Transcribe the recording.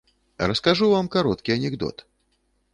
Раскажу вам кароткі анекдот.